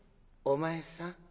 「お前さん。